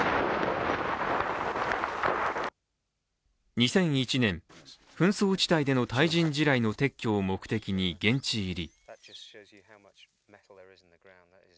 ２００１年、紛争地帯での対人地雷の撤去を目的に現地入り。